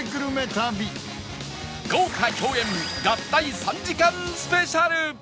豪華共演合体３時間スペシャル